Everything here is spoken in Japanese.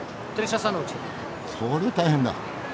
それは大変だ！